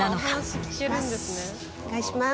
お願いします。